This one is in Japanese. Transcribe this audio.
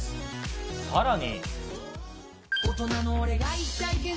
さらに。